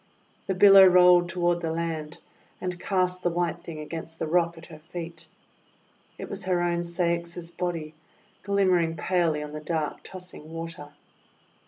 The billow rolled toward the land, and cast the white thing against the rock at her feet. It was her own Ceyx's body glimmering palely on the dark tossing water.